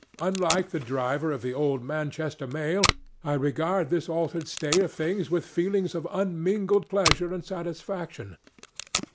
Unlike the driver of the old Manchester mail, I regard this altered state of things with feelings of unmingled pleasure and satisfaction.